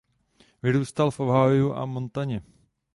Vyrůstal v Ohiu a Montaně.